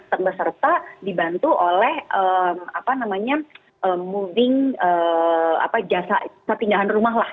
terbeserta dibantu oleh moving jasa perpindahan rumah lah